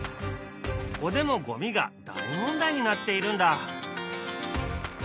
ここでもゴミが大問題になっているんだ。